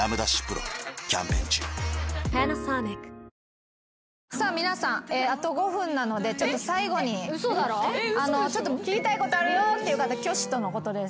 丕劭蓮キャンペーン中さあ皆さんあと５分なのでちょっと最後に聞きたいことあるよっていう方挙手とのことです。